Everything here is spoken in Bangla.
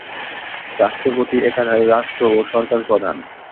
রাষ্ট্রপতি একাধারে রাষ্ট্র ও সরকার প্রধান।